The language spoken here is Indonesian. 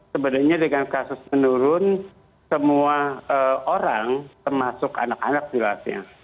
sebenarnya dengan kasus menurun semua orang termasuk anak anak jelasnya